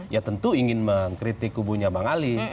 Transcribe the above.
ya tentu ingin mengkritik kubunya bang ali